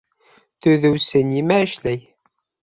Төҙөүсе нимә эшләй?